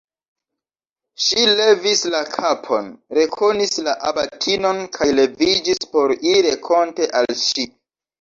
Ŝi levis la kapon, rekonis la abatinon kaj leviĝis por iri renkonte al ŝi.